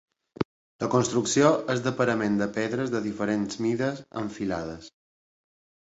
La construcció és de parament de pedres de diferents mides en filades.